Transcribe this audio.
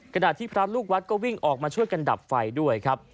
ขณะที่พระลูกวัดก็วิ่งออกมาช่วยกันดับไฟด้วยครับ